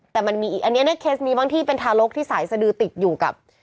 แต่มันมีอีกอันนี้เนี่ยเคสนี้บางที่เป็นทารกที่สายสดือติดอยู่กับ